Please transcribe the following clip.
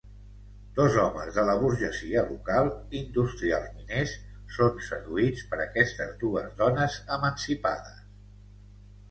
Dos homes de la burgesia local, industrials miners, són seduïts per aquestes dues dones emancipades.